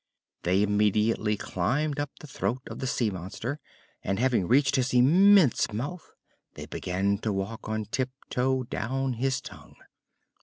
They immediately climbed up the throat of the sea monster, and, having reached his immense mouth, they began to walk on tiptoe down his tongue.